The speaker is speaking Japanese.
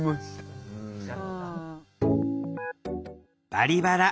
「バリバラ」。